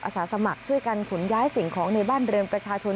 สาสมัครช่วยกันขนย้ายสิ่งของในบ้านเรือนประชาชน